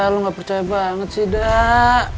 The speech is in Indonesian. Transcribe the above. lo gak percaya banget sih dah